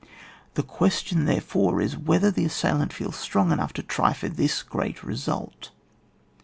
The question, therefore, is, whether the assailant feels strong enough to try for this great result.